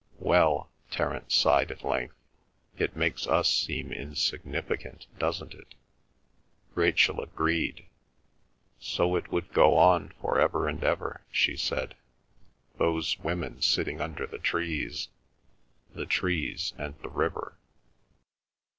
"Well," Terence sighed at length, "it makes us seem insignificant, doesn't it?" Rachel agreed. So it would go on for ever and ever, she said, those women sitting under the trees, the trees and the river.